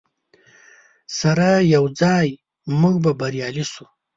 سره یوځای موږ به بریالي شو.